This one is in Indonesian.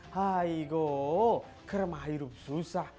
hai goh kermah hidup susah